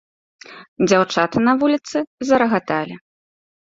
Дзяўчаты на вуліцы зарагаталі.